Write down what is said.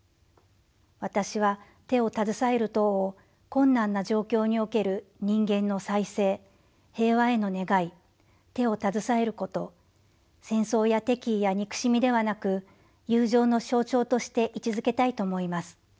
「私は『手をたずさえる塔』を困難な状況における人間の再生平和への願い手をたずさえること戦争や敵意や憎しみではなく友情の象徴として位置づけたいと思います。